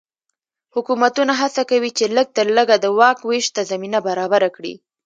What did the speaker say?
حکومتونه هڅه کوي چې لږ تر لږه د واک وېش ته زمینه برابره کړي.